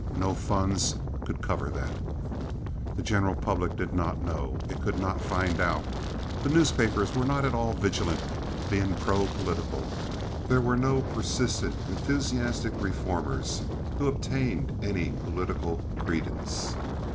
"No funds" could cover that. The general public did not know. It could not find out. The newspapers were not at all vigilant, being pro political. There were no persistent, enthusiastic reformers who obtained any political credence.